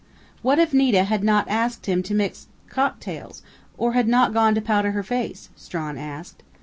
"What if Nita had not asked him to mix cocktails or had not gone to powder her face?" Strawn asked.